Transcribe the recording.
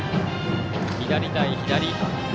左対左。